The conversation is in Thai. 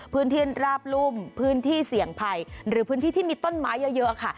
พื้นที่ราบรุ่มพื้นที่เสี่ยงภัยหรือพื้นที่ที่มีต้นไม้เยอะค่ะ